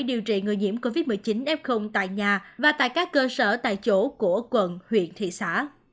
điều trị người nhiễm covid một mươi chín f tại nhà và tại các cơ sở tại chỗ của quận huyện thị xã